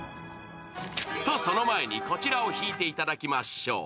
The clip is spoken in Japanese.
と、その前に、こちらを引いていただきましょう。